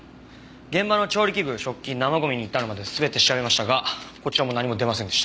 現場の調理器具食器生ゴミに至るまで全て調べましたがこちらも何も出ませんでした。